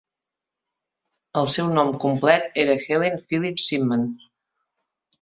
El seu nom complet era Helen Phyllis Shipman.